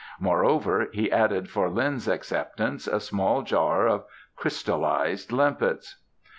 Moreover, he added for Lin's acceptance a small jar of crystallized limpets.